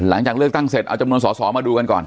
หลังจากเลือกตั้งเสร็จเอาจำนวนสอสอมาดูกันก่อน